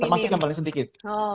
termasuknya paling sedikit